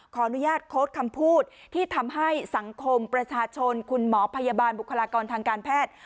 ขออนุญาตโค้ดคำพูดที่ทำให้สังคมประชาชนคุณหมอพยาบาลบุคลากรทางการแพทย์